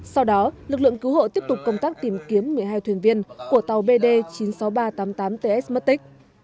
sau đó lực lượng cứu hộ tiếp tục công tác tìm kiếm một mươi hai thuyền viên của tàu bd chín mươi sáu nghìn ba trăm tám mươi tám ts mất tích